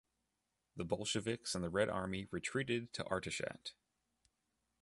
The Bolsheviks and the Red Army retreated to Artashat.